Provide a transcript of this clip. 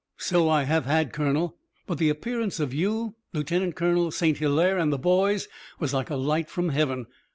"So I have had, Colonel, but the appearance of you, Lieutenant Colonel St. Hilaire and the boys was like a light from Heaven.